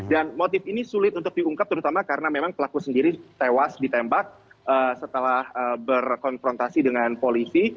dan motif ini sulit untuk diungkap terutama karena memang pelaku sendiri tewas ditembak setelah berkonfrontasi dengan polisi